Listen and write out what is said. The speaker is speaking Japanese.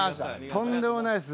とんでもないです。